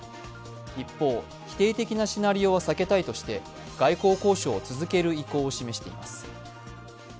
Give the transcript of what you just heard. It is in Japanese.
一方、否定的なシナリオは避けたいとして外交交渉を続ける意向を示しています。